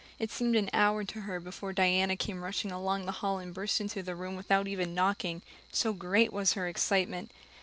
It seemed an hour to her before Diana came rushing along the hall and burst into the room without even knocking, so great was her excitement.